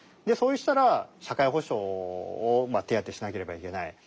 そうしたら社会保障を手当てしなければいけない。